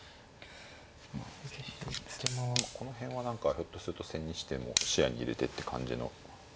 この辺は何かひょっとすると千日手も視野に入れてって感じの。